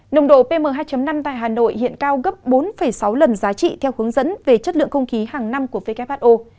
nồng độ pm hai năm tại hà nội hiện cao gấp bốn sáu lần giá trị theo hướng dẫn về chất lượng không khí hàng năm của who